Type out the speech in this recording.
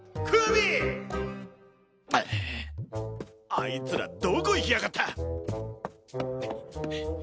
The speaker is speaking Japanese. あいつらどこ行きやがった！